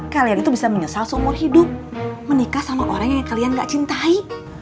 kalian itu bisa menyesal seumur hidup menikah sama orang yang kalian gak cintai